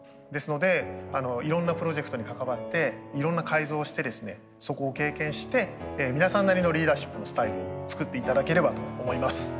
ですのでいろんなプロジェクトに関わっていろんな改造をしてですねそこを経験して皆さんなりのリーダーシップのスタイルを作って頂ければと思います。